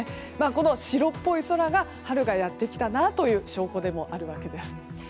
この白っぽい空が春がやってきたなという証拠でもあるわけです。